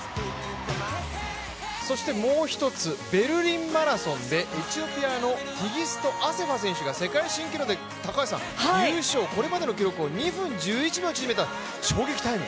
もう一つ、ベルリンマラソンでエチオピアのティギスト・アセファ選手が世界新記録で優勝、これまでの記録を２分１１秒縮めた、衝撃タイム。